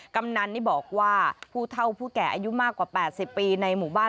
กำนันนี่บอกว่าผู้เท่าผู้แก่อายุมากกว่า๘๐ปีในหมู่บ้าน